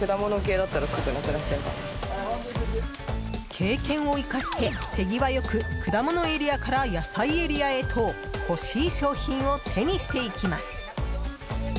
経験を生かして手際よく果物エリアから野菜エリアへと欲しい商品を手にしていきます。